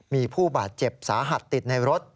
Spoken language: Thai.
มีผู้บาดเจ็บสาหัสติดในรถ